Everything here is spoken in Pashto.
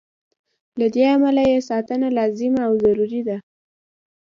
له دې امله یې ساتنه لازمه او ضروري ده.